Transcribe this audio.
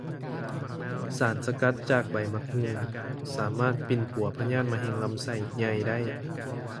ສານສະກັດຈາກໃບໝາກຫຸ່ງ ສາມາດປິ່ນປົວພະຍາດມະເຮັງລຳໄສ້ໃຫຍ່ໄດ້